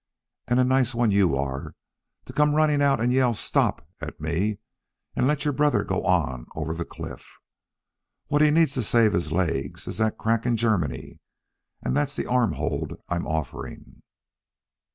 And a nice one you are, to come running out and yell 'Stop!' at me, and let your brother go on over the cliff. What he needs to save his legs is that crack in Germany, and that's the arm hold I'm offering.